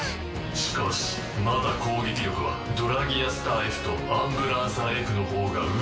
しかしまだ攻撃力はドラギアスターＦとアンブランサーＦのほうが上。